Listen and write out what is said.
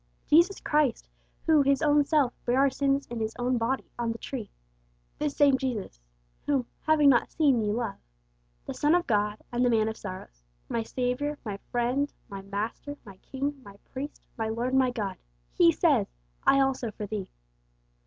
Jesus Christ, 'who His own self bare our sins in His own body on the tree;' 'this same Jesus,' 'whom having not seen, ye love;' the Son of God, and the Man of Sorrows; my Saviour, my Friend, my Master, my King, my Priest, my Lord and my God He says, 'I also for thee!'